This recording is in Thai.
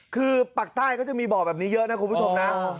คือปากใต้ก็จะมีบ่อแบบนี้เยอะนะคุณผู้ชมนะ